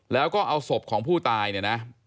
แล้วก็เอาศพของผู้ตายเนี่ยนะ